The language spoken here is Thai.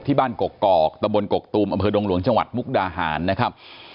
ที่บ้านกกกอกตะบนกกตูมอดงรวงจังหวัดมุกดาหารนะครับ